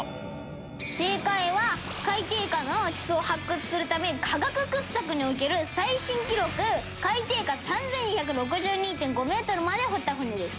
「正解は海底下の地層を発掘するため科学掘削における最深記録海底下３２６２．５メートルまで掘った船です」